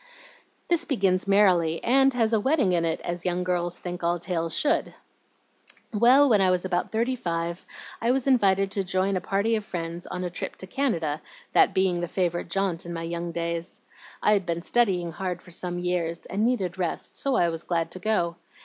"This begins merrily, and has a wedding in it, as young girls think all tales should. Well, when I was about thirty five, I was invited to join a party of friends on a trip to Canada, that being the favorite jaunt in my young days. I'd been studying hard for some years, and needed rest, so I was glad to go.